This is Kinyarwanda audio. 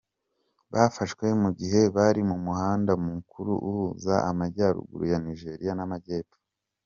Bafashwe mu gihe bari mu muhanda mukuru uhuza amajyaruguru ya Nigeria n'amajyepfo.